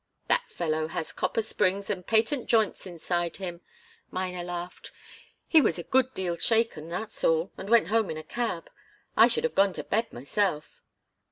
"That fellow has copper springs and patent joints inside him!" Miner laughed. "He was a good deal shaken, that's all, and went home in a cab. I should have gone to bed, myself."